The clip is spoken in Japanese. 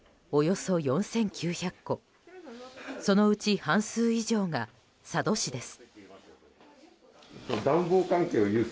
そのうち半数以上が佐渡市です。